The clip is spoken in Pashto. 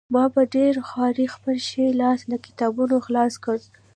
ما په ډېره خوارۍ خپل ښی لاس له کتابونو خلاص کړ